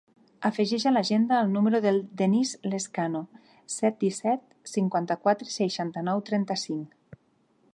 Afegeix a l'agenda el número del Denís Lezcano: set, disset, cinquanta-quatre, seixanta-nou, trenta-cinc.